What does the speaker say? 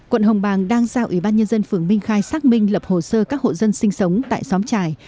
quận hồng bàng đang giao ủy ban nhân dân phường minh khai xác minh lập hồ sơ các hộ dân sinh sống tại xóm trài